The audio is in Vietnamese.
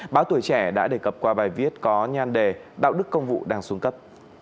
báo tuổi trẻ đã đề cập qua bài viết có nhan đề đạo đức công vụ đang xuống cấp